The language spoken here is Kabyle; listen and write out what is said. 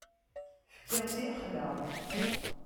Fkiɣ-tt i lexla.